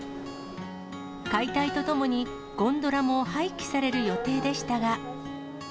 解体とともにゴンドラも廃棄される予定でしたが。